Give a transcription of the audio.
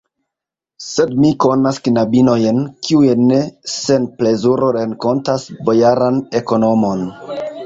Sed mi konas knabinojn, kiuj ne sen plezuro renkontas bojaran ekonomon.